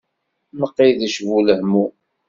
Mqidec bu lehmum.